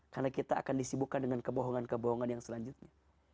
karena kita akan disibukkan dengan kebohongan kebohongan yang selanjutnya